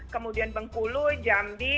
kemudian bengkulu jambi